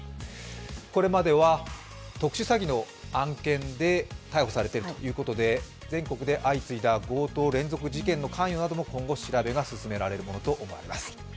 これまでは特殊詐欺の案件で逮捕されているということで、全国で相次いだ強盗傷害事件への関与も今後調べが進められるものと思われます。